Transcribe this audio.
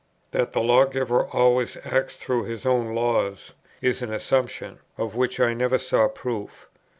That the Lawgiver always acts through His own laws, is an assumption, of which I never saw proof.